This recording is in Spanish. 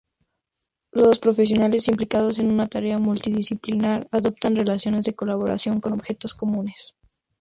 Los profesionales implicados en una tarea multidisciplinar adoptan relaciones de colaboración con objetivos comunes.